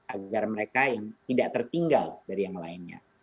agar mereka yang tidak tertinggal dari yang lainnya